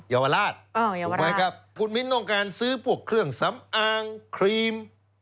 เยาวราชนะครับคุณมิ้นต้องการซื้อพวกเครื่องสำอางครีม